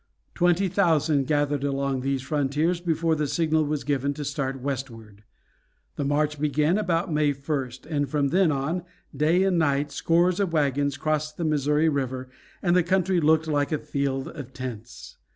Twenty thousand gathered along these frontiers before the signal was given to start westward. The march began about May 1st, and from then on, day and night, scores of wagons crossed the Missouri River, and the country looked like a field of tents.